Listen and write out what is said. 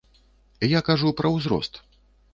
Я кажу пра узрост.